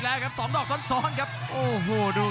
และอัพพิวัตรสอสมนึก